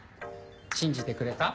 信じてくれた？